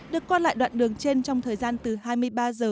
được qua lại đoạn đường trên trong thời gian từ hai mươi ba h